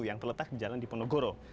yang terletak di jalan diponegoro